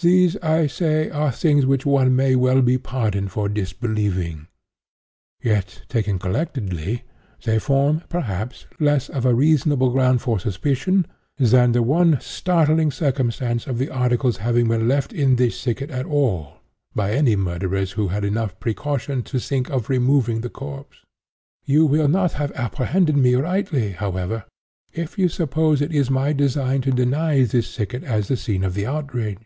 These, I say, are things which one may well be pardoned for disbelieving; yet, taken collectedly, they form, perhaps, less of reasonable ground for suspicion, than the one startling circumstance of the articles' having been left in this thicket at all, by any murderers who had enough precaution to think of removing the corpse. You will not have apprehended me rightly, however, if you suppose it my design to deny this thicket as the scene of the outrage.